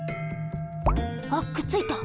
あっくっついた。